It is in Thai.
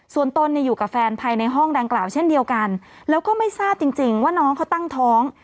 ส่วนตนเนี่ยอยู่กับแฟนภายในห้องดังกล่าวเช่นเดียวกันแล้วก็ไม่ทราบจริงว่าน้องเขาตั้งท้อง